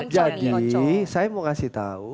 jadi saya mau kasih tau